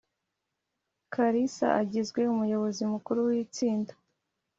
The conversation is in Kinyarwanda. Kalisa agizwe Umuyobozi mukuru w’istinda